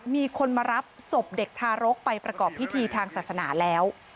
มีคนมารับศพเด็กทารกไปประกอบพิธีทางศาสนาแล้ว